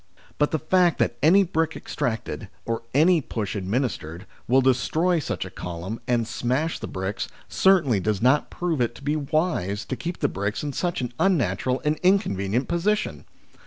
But the fact that any brick extracted, or any push administered, will destroy such a column and smash the bricks, certainly does not prove it to be wise to keep the bricks in such an unnatural and inconvenient position.